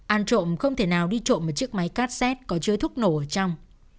ăn trộm không thể nào đi trộm một chiếc máy cassette có chứa thuốc nổ ở trong